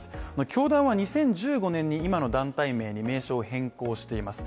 教団は２０１５年に今の団体名に名称変更をしています。